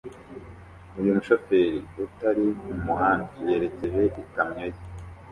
Uyu mushoferi utari mu muhanda yerekeje ikamyo ye